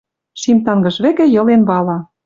Шим тангыж вӹкӹ йылен вала.